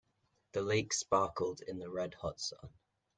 The lake sparkled in the red hot sun.